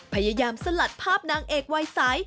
พยายามสลัดภาพนางเอกวัยสาย